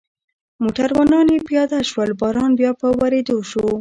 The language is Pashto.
موټروانان یې پیاده شول، باران بیا په ورېدو شو.